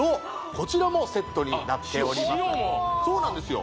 こちらもセットになっておりますそうなんですよ